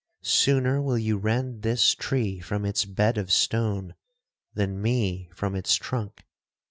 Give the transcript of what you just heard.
Sooner will you rend this tree from its bed of stone, than me from its trunk!